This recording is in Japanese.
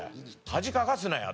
恥かかすなよ」